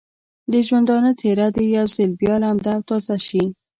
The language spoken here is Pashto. د ژوندانه څېره دې یو ځل بیا لمده او تازه شي.